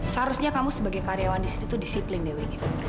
seharusnya kamu sebagai karyawan di situ tuh disiplin dewi